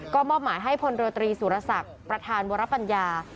ก็มอบหมายให้พลเรือตรีสุรศักดิ์ประธานวรปัญญา